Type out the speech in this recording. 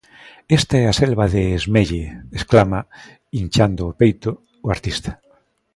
Esta é a Selva de Esmelle exclama, inchando o peito, o artista.